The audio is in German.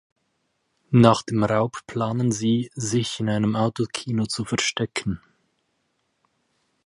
Nach dem Raub planen sie, sich in einem Autokino zu verstecken.